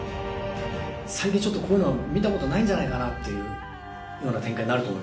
最近ちょっとこういうの見たことないんじゃないかなっていうような展開になると思います。